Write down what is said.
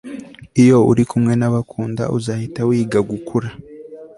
iyo uri kumwe nabakunda, uzahita wiga gukura